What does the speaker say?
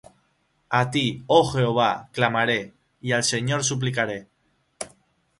A ti, oh Jehová, clamaré; Y al Señor suplicaré.